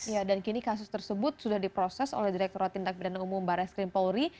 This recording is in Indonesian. ya dan kini kasus tersebut sudah diproses oleh direktur ratin tak bidang umum baris krimpori